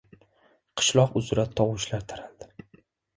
Qishloq uzra tovushlar taraldi.